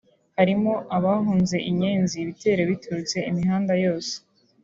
harimo abahunze Inyenzi ibitero biturutse imihanda yose